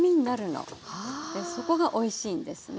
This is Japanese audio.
そこがおいしいんですね。